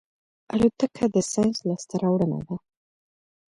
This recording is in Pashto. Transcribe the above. الوتکه د ساینس لاسته راوړنه ده.